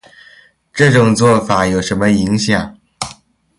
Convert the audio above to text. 这种做法有什么影响